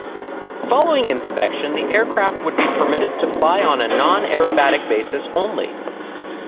Following inspection, the aircraft would be permitted to fly on a non-aerobatic basis only.